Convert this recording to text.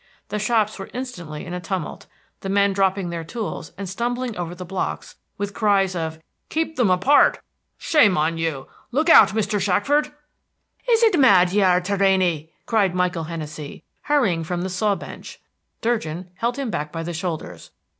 The shops were instantly in a tumult, the men dropping their tools and stumbling over the blocks, with cries of "Keep them apart!" "Shame on you!" "Look out, Mr. Shackford!" "Is it mad ye are, Torrany!" cried Michael Hennessey, hurrying from the saw bench. Durgin held him back by the shoulders.